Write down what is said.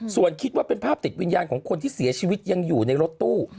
ส่วนคิดว่าเป็นภาพติดวิญญาณของคนที่เสียชีวิตยังอยู่ในรถตู้